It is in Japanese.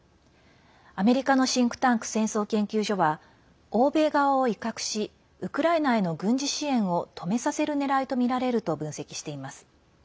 アメリカのシンクタンク戦争研究所は欧米側を威嚇しウクライナへの軍事支援を止めさせる狙いとみられると分析しています。